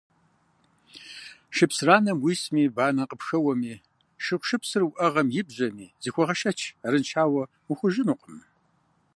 Шыпсыранэм уисми, банэ къыпхэуэми, шыгъушыпсыр уӏэгъэм ибжьэми, зыхуэгъэшэч, арыншауэ ухъужынукъым.